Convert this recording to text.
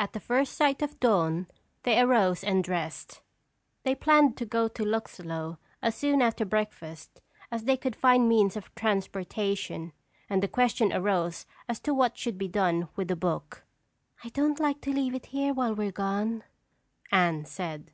At the first sign of dawn they arose and dressed. They planned to go to Luxlow as soon after breakfast as they could find means of transportation and the question arose as to what should be done with the book. "I don't like to leave it here while we're gone," Anne said.